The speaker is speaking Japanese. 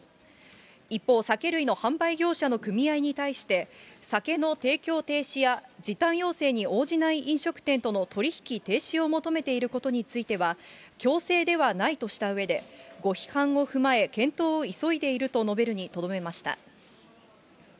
一方、酒類の販売業者の組合に対して、酒の提供停止や時短要請に応じない飲食店との取り引き停止を求めていることについては、強制ではないとしたうえで、ご批判を踏まえ、検討を急いでいると述べるにとどめました。